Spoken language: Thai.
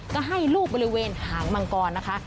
ก็ให้ลูกบริเวณหางมังกรนะคะ